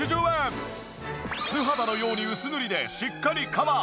素肌のように薄塗りでしっかりカバー。